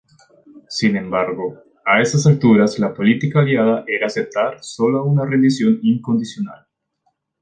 Sin embargo, a esas alturas la política aliada era aceptar sólo una rendición incondicional.